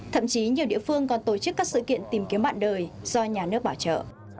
thậm chí nhiều địa phương còn tổ chức các sự kiện tìm kiếm bạn đời do nhà nước bảo trợ